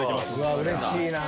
うれしいな！